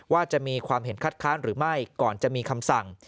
ว่าจะมีความเห็นคัดค้านหรือไม่ก่อนจะมีคำสั่ง